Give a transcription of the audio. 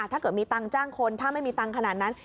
ถ้าเกิดมีตังค์จ้างคนถ้าไม่มีตังค์ขนาดนั้น